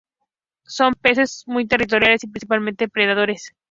Son peces muy territoriales y principalmente predadores.